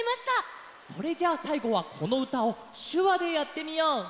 それじゃあさいごはこのうたをしゅわでやってみよう。